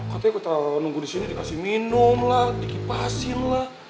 katanya gue terlalu nunggu di sini dikasih minum lah dikipasin lah